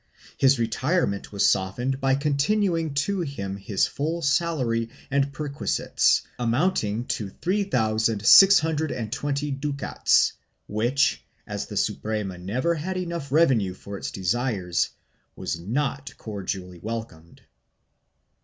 His retirement was softened by continuing to him his full salary arid perquisites, amounting to 1,353,625 mrs. (3620 ducats) which, as the Suprema never had enough revenue for its desires, was not cordially welcomed.